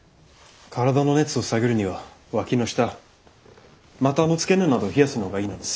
体の熱を下げるにはわきの下股の付け根などを冷やすのがいいのです。